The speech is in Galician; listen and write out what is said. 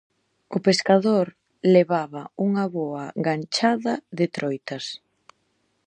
O pescador levaba unha boa ganchada de troitas.